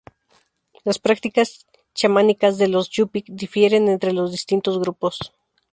Las prácticas chamánicas de los yupik difieren entre los distintos grupos.